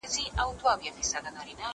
زه هره ورځ ځواب ليکم!؟